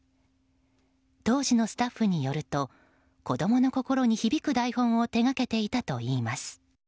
当時のスタッフによると子供の心に響く台本を手がけていたといいます。